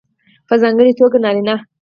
په ځانګړې توګه نارینه